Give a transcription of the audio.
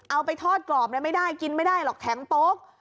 เอาไปทอดกรอบไม่ได้กินไม่ได้หรอกแข็งโป๊ก